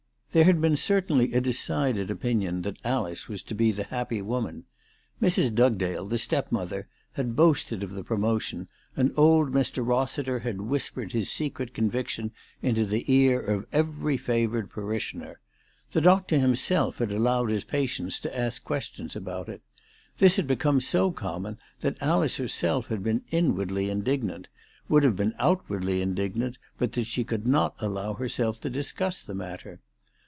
There had been certainly a decided opinion that Alice was to be the happy woman. Mrs. Dugdale, the stepmother, had boasted of the promotion; and old Mr. Rossiter had whispered his secret conviction into the ear of every favoured parishioner. The doctor him self had allowed his patients to ask questions about it. This had become so common that Alice herself had been inwardly indignant, would have been outwardly indignant but that she could not allow herself to dis cuss the matter.